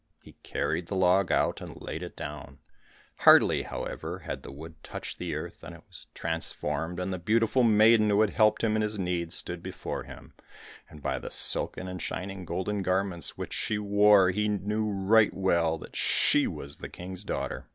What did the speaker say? He carried the log out, and laid it down. Hardly, however, had the wood touched the earth than it was transformed, and the beautiful maiden who had helped him in his need stood before him, and by the silken and shining golden garments which she wore, he knew right well that she was the King's daughter.